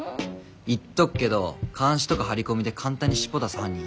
言っとくけど監視とか張り込みで簡単に尻尾出す犯人いないから。